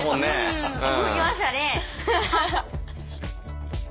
うん動きましたね。